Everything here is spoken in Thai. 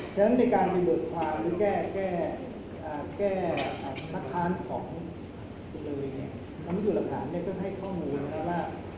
ฉะนั้นในการไปเบิกความหรือแก้สักทานของจุดละเอวยเนี่ยความผู้สูญหลักฐานก็ให้ข้อมูลนะคะว่า